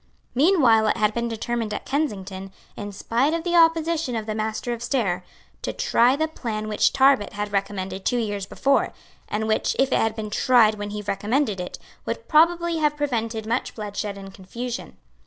Meanwhile it had been determined at Kensington, in spite of the opposition of the Master of Stair, to try the plan which Tarbet had recommended two years before, and which, if it had been tried when he recommended it, would probably have prevented much bloodshed and confusion.